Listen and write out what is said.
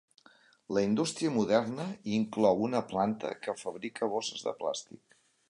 La indústria moderna inclou una planta que fabrica bosses de plàstic.